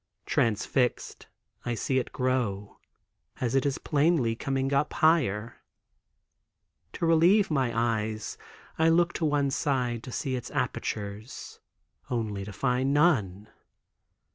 Transfixed, I see it grow, as it is plainly coming up higher. To relieve my eyes I look to one side to see its appurtenances, only to find none.